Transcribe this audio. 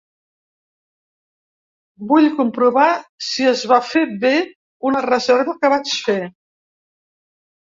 Vull comprovar si es va fer be una reserva que vaig fer.